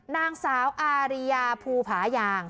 นางสาวอาริยาภูผายาง